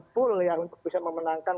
full yang bisa memenangkan